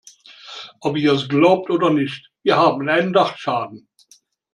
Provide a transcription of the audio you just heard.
Ob ihr es glaubt oder nicht, wir haben einen Dachschaden.